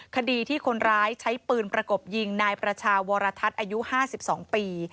คดีที่คนร้ายใช้ปืนประกบยิงนายประชาวรทัศน์อายุ๕๒ปี